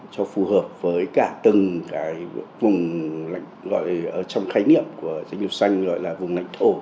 cho phù hợp với cả từng vùng lạnh gọi là trong khái niệm của danh lục xanh gọi là vùng lạnh thổ